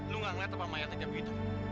lo gak liat tempat mayatnya jambi itu